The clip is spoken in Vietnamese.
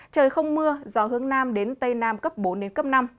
trời không mưa gió hướng nam đến tây nam cấp bốn năm